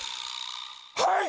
はい！